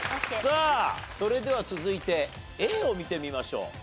それでは続いてＡを見てみましょう。